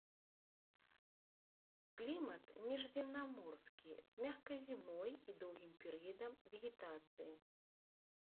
Клімат міжземнаморскі з мяккай зімой і доўгім перыядам вегетацыі.